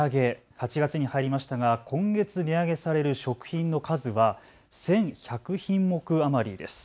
８月に入りましたが今月値上げされる食品の数は１１００品目余りです。